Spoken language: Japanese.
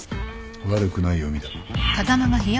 悪くない読みだ。